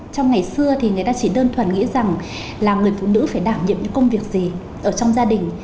trong ngày xưa thì người ta chỉ đơn thuần nghĩ rằng là người phụ nữ phải đảm nhiệm những công việc gì ở trong gia đình